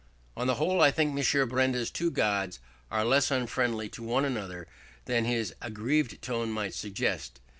On the whole I think M. Benda's two Gods are less unfriendly to one another than his aggrieved tone might suggest.